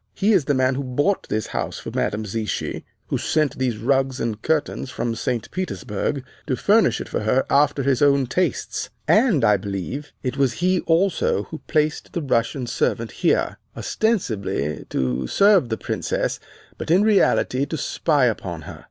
He is the man who bought this house for Madame Zichy, who sent these rugs and curtains from St. Petersburg to furnish it for her after his own tastes, and, I believe, it was he also who placed the Russian servant here, ostensibly to serve the Princess, but in reality to spy upon her.